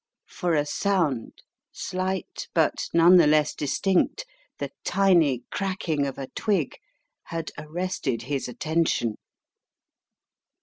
For a sound, slight but none the less distinct, the tiny cracking of a twig, had arrested his attention.